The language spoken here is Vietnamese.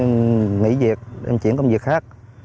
nghỉ việc em chuyển công việc khác